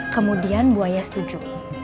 kemudian buaya setuju